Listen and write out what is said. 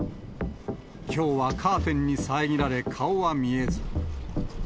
きょうはカーテンに遮られ顔は見えず。